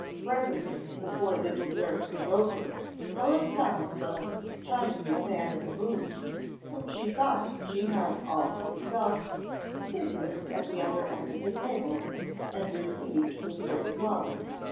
Presently, before the dessert was over, Helen found the "Chinese Man in the Moon," whom she thought she had all to herself, figuring at the other end of the table, and received with great applause.